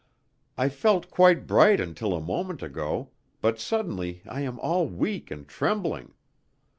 I felt quite bright until a moment ago, but suddenly I am all weak and trembling.